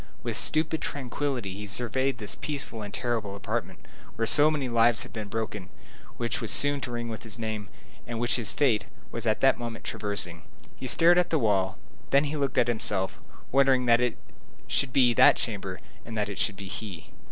With stupid tranquillity he surveyed this peaceful and terrible apartment, where so many lives had been broken, which was soon to ring with his name, and which his fate was at that moment traversing. He stared at the wall, then he looked at himself, wondering that it should be that chamber and that it should be he.